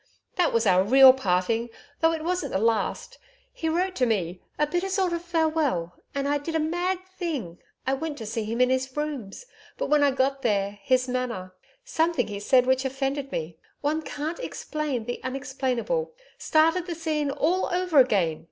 That was our real parting, though it wasn't the last. He wrote to me a bitter sort of farewell. And I did a mad thing. I went to see him in his rooms. But when I got there, his manner something he said which offended me one can't explain the unexplainable started the scene all over again.